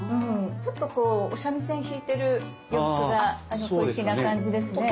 ちょっとこうお三味線弾いてる様子が小粋な感じですね。